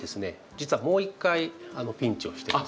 実はもう一回ピンチをしてるんですね。